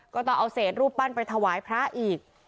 ต้องเอาเศษรูปปั้นไปถวายพระอีก